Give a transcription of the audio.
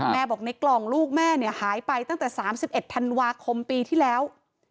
บอกในกล่องลูกแม่เนี่ยหายไปตั้งแต่๓๑ธันวาคมปีที่แล้ว